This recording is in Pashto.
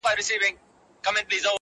نه په پلونو نه په ږغ د چا پوهېږم؛